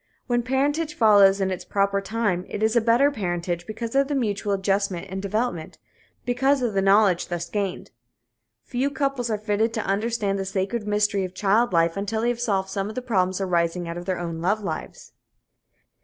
When parentage follows in its proper time, it is a better parentage because of the mutual adjustment and development because of the knowledge thus gained. Few couples are fitted to understand the sacred mystery of child life until they have solved some of the problems arising out of their own love lives.